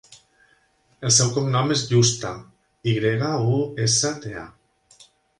El seu cognom és Yusta: i grega, u, essa, te, a.